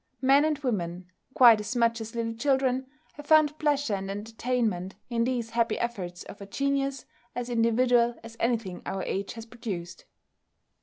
Men and women, quite as much as little children, have found pleasure and entertainment in these happy efforts of a genius as individual as anything our age has produced.